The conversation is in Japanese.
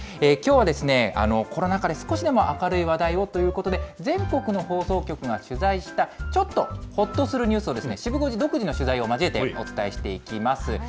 きょうはコロナ禍で少しでも明るい話題をということで、全国の放送局が取材した、ちょっとほっとするニュースを、シブ５時独自の取材を交えてお伝えしていきます。